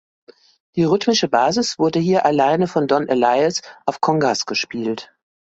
Die rhythmische Basis wurde hier alleine von Don Alias auf Congas gespielt.